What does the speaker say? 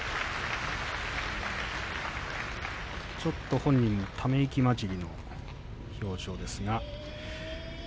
ちょっと本人もため息交じりの表情です。